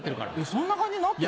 そんな感じになってる？